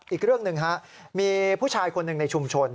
อีกเรื่องหนึ่งมีผู้ชายคนหนึ่งในชุมชน